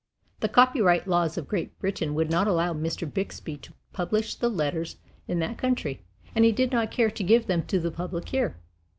The copyright laws of Great Britain would not allow Mr. Bixby to publish the letters in that country, and he did not care to give them to the public here.